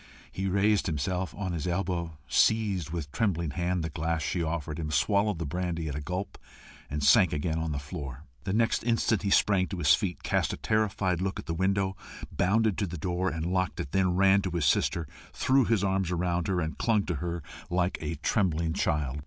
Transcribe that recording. He raised himself on his elbow, seized with trembling hand the glass she offered him, swallowed the brandy at a gulp, and sank again on the floor. The next instant he sprang to his feet, cast a terrified look at the window, bounded to the door and locked it, then ran to his sister, threw his arms about her, and clung to her like a trembling child.